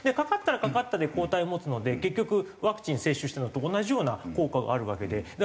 かかったらかかったで抗体を持つので結局ワクチン接種したのと同じような効果があるわけで。